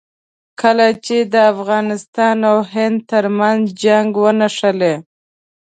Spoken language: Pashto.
کله چې د افغانستان او هند ترمنځ جنګ ونښلي.